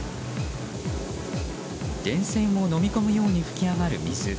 電線を飲み込むように噴き上がる水。